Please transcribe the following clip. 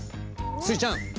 スイちゃん